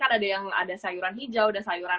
kan ada yang ada sayuran hijau ada sayuran